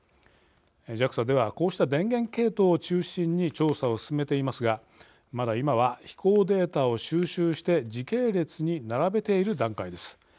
ＪＡＸＡではこうした電源系統を中心に調査を進めていますがまだ今は、飛行データを収集して時系列に並べている段階です。